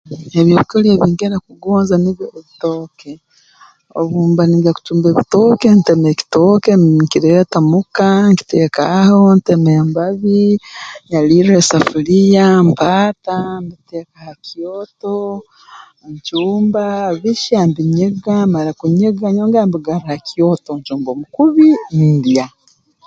Ebyokulya ebinkira kugonza nibyo ebitooke obu mba ningya kucumba ebitooke ntema ekitooke nkireeta muka nkiteeka aho ntema embabi nyalirra esafuliya mpaata mbiteeka ha kyoto ncumba bihya mbinyiga mara kunyiga nyongera mbigarra ha kyoto ncumba omukubi ndya